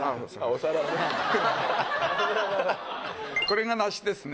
これが梨ですね。